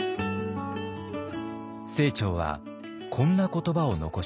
清張はこんな言葉を残しています。